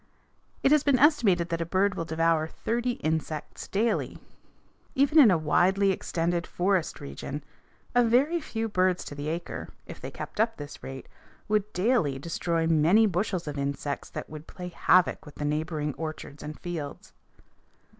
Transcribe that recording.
It has been estimated that a bird will devour thirty insects daily. Even in a widely extended forest region a very few birds to the acre, if they kept up this rate, would daily destroy many bushels of insects that would play havoc with the neighboring orchards and fields.